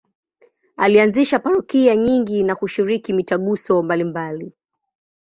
Alianzisha parokia nyingi na kushiriki mitaguso mbalimbali.